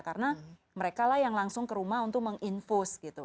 karena mereka lah yang langsung ke rumah untuk menginfus gitu